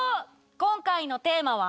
今回のテーマは。